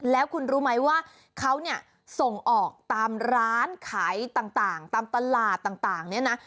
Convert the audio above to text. แล้วคุณรู้ไหมว่าเขาเนี่ยส่งออกตามร้านขายต่างตามตลาดต่างเนี่ยนะ